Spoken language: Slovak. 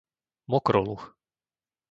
Mokroluh